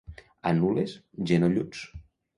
A Nules, genolluts.